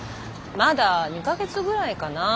まだ２か月ぐらいかな。